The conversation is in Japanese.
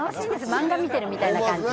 マンガ見てるみたいな感じ。